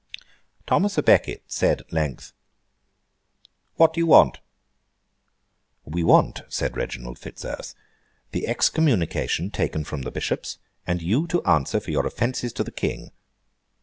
Thomas à Becket said, at length, 'What do you want?' 'We want,' said Reginald Fitzurse, 'the excommunication taken from the Bishops, and you to answer for your offences to the King.